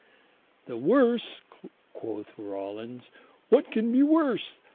"The worse (quoth Rawlins) what can be worse?